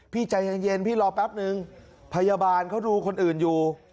ใจเย็นพี่รอแป๊บนึงพยาบาลเขาดูคนอื่นอยู่